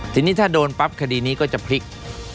ทีนี้ถ้าโดนปั๊บคดีนี้ก็จะพลิก